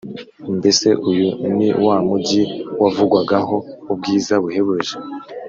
Mbese uyu ni wa mugi wavugwagaho ubwiza buhebuje,